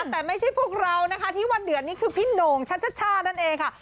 แต่ไม่ใช่พวกเรานะคะที่วันเดือดนี่คือพี่โหน่งชัชช่านั่นเองค่ะ